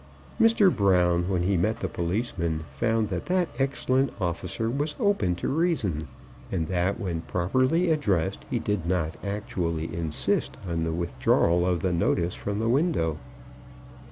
Mr. Brown, when he met the policeman, found that that excellent officer was open to reason, and that when properly addressed he did not actually insist on the withdrawal of the notice from the window.